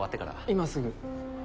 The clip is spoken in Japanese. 今すぐ。